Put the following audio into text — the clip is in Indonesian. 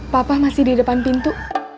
papa masih di depan pintu